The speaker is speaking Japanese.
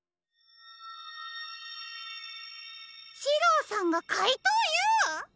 シローさんがかいとうＵ！？